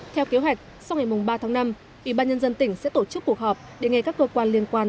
theo kế hoạch sau ngày ba tháng năm ủy ban nhân dân tỉnh sẽ tổ chức cuộc họp để nghe các cơ quan liên quan